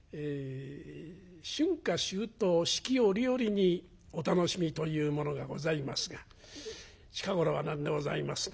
春夏秋冬四季折々にお楽しみというものがございますが近頃は何でございますね